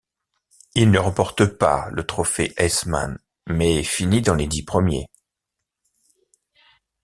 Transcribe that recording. Il ne remporte pas le Trophée Heisman mais finit dans les dix premiers.